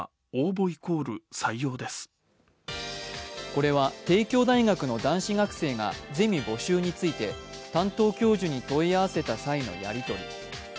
これは、帝京大学の男子学生がゼミ募集について担当教授に問い合わせた際のやり取り。